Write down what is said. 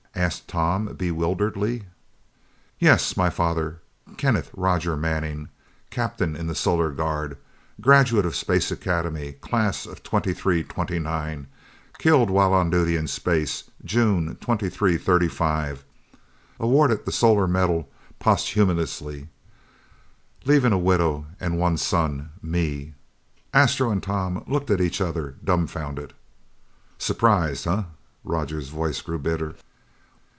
asked Tom bewilderedly. "Yeah, my father. Kenneth Rogers Manning, Captain in the Solar Guard. Graduate of Space Academy, class of 2329, killed while on duty in space, June 2335. Awarded the Solar Medal posthumously. Leaving a widow and one son, me!" Astro and Tom looked at each other dumfounded. "Surprised, huh?" Roger's voice grew bitter.